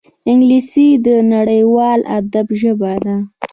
انګلیسي د نړیوال ادب ژبه ده